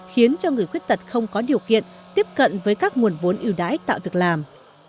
khiến cho người khuyết tật không có điều kiện tiếp cận với các nguồn vốn ưu đãi tạo việc làm